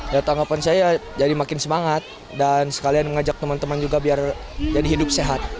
ya tanggapan saya jadi makin semangat dan sekalian mengajak teman teman juga biar jadi hidup sehat